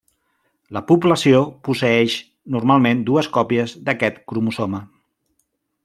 La població posseeix normalment dues còpies d'aquest cromosoma.